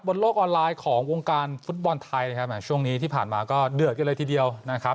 โลกออนไลน์ของวงการฟุตบอลไทยนะครับช่วงนี้ที่ผ่านมาก็เดือดกันเลยทีเดียวนะครับ